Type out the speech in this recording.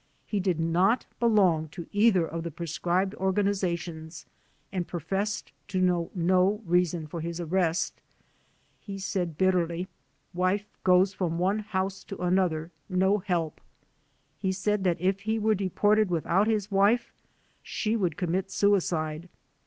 He did not belong to either of the proscribed organizations and professed to know no reason for his arrest. He said bitterly, "Wife goes from one house to another — no help." He said that 92 THE DEPORTATION CASES if he were deported without his wife she would commit suicide.